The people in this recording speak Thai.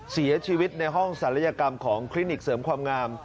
เสียชีวิตในห้องศัลยกรรมของคลินิกเสริมความงาม